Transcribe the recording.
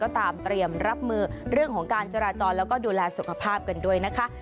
ตามเตรียมรับมือเรื่องของการจราจรแล้วก็ดูแลสุขภาพกันด้วยนะคะ